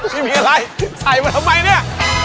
ไม่มีอะไรใส่มาทำไมเนี่ย